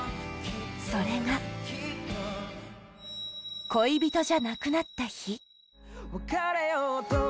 それが「恋人じゃなくなった日」